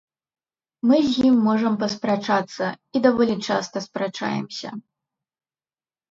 Мы з ім можам паспрачацца, і даволі часта спрачаемся.